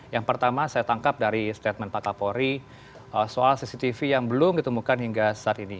yang pertama saya tangkap dari statement pak kapolri soal cctv yang belum ditemukan hingga saat ini